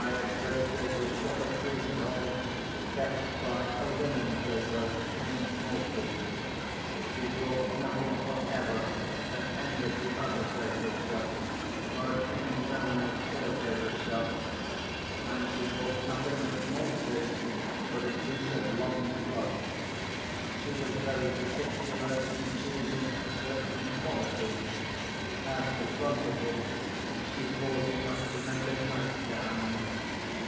"I have traced her to a shop at Frizinghall, kept by a linen draper named Maltby. She bought nothing whatever at any of the other drapers' shops, or at any milliners' or tailors' shops; and she bought nothing at Maltby's but a piece of long cloth. She was very particular in choosing a certain quality. As to quantity, she bought enough to make a nightgown."